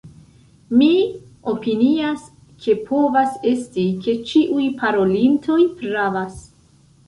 Mi opinias, ke povas esti, ke ĉiuj parolintoj pravas.